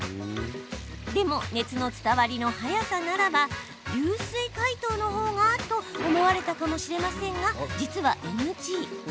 でも熱の伝わりの早さならば流水解凍のほうがと思われたかもしれませんが実はＮＧ。